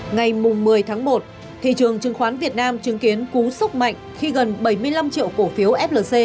ngày một mươi tháng một thị trường chứng khoán việt nam chứng kiến cú sốc mạnh khi gần bảy mươi năm triệu cổ phiếu flc